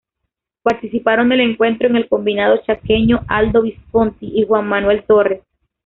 Participaron del encuentro en el combinado chaqueño Aldo Visconti y Juan Manuel Torres.